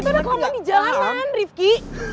kita udah kalau gak di jalanan rifqi